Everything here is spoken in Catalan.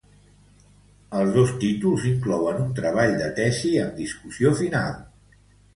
Els dos títols inclouen un treball de tesi amb discussió final.